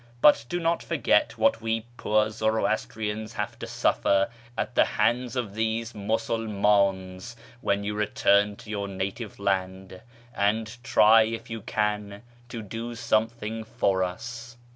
But do not forget what we poor Zoroastrians have to suffer at the hands of these Musulmans when you return to your native land, and try, if you can, to do something for us."